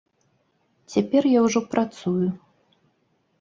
Цяпер я ўжо працую.